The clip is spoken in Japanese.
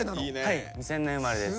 はい２０００年生まれです。